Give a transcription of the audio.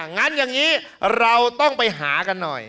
งั้นอย่างนี้เราต้องไปหากันหน่อย